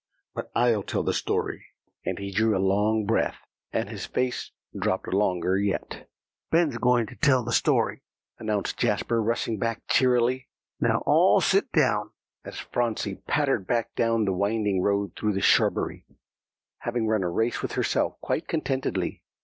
But I'll tell the story." And he drew a long breath, and his face dropped longer yet. "Ben's going to tell the story," announced Jasper, rushing back cheerily. "Now all sit down," as Phronsie pattered back along the winding road through the shrubbery, having run a race with herself quite contentedly.